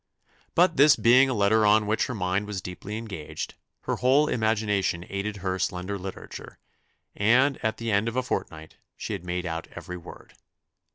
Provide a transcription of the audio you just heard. But this being a letter on which her mind was deeply engaged, her whole imagination aided her slender literature, and at the end of a fortnight she had made out every word.